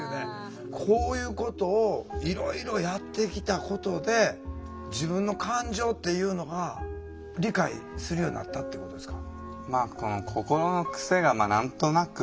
こういうことをいろいろやってきたことで自分の感情っていうのが理解するようになったってことですか？